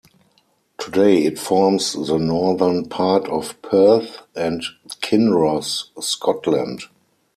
Today it forms the northern part of Perth and Kinross, Scotland.